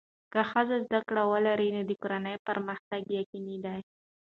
که ښځه زده کړه ولري، نو د کورنۍ پرمختګ یقیني دی.